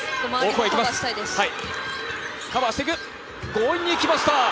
強引にいきました。